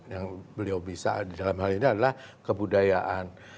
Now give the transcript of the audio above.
yang beliau bisa dalam hal ini adalah kebudayaan